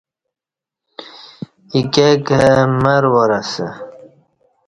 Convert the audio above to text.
ایکے کہ مرواراسہ